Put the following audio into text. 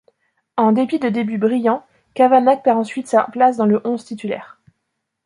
En dépit de débuts brillants, Kavanagh perd ensuite sa place dans le onze titulaire.